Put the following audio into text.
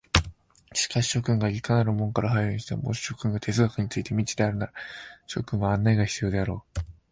しかし諸君がいかなる門から入るにしても、もし諸君が哲学について未知であるなら、諸君には案内が必要であろう。